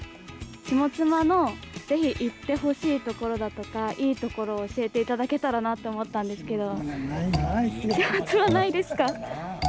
下妻のぜひ行ってほしいところだとかいいところを教えていただけたらなと思ったんですけど。